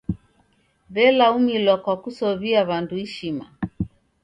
W'elaumilwa kwa kusow'ia w'andu ishima.